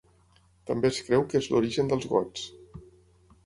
També es creu que és l'origen dels Gots.